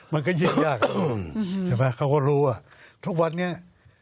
มันก็ยิ่งยากใช่ไหมเขาก็รู้ว่าทุกวันนี้